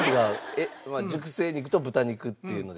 えっ熟成肉と豚肉っていうので。